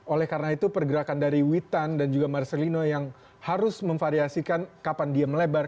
oleh karena itu pergerakan dari witan dan juga marcelino yang harus memvariasikan kapan dia melebar